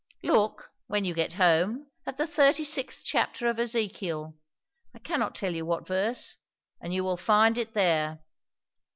Look, when you get home, at the thirty sixth chapter of Ezekiel I cannot tell you what verse and you will find it there."